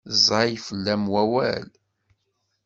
Ẓẓay fell-am wawal.